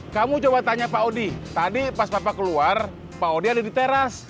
kamu coba tanya pak audi tadi pas papa keluar pak audi ada di teras